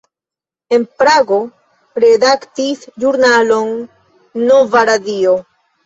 En Prago redaktis ĵurnalon "Nova radio".